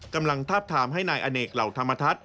กำลังทาบทามให้นายอเนกเหล่าธรรมทัศน